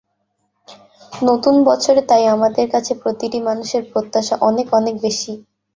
নতুন বছরে তাই আমাদের কাছে প্রতিটি মানুষের প্রত্যাশা অনেক অনেক বেশি।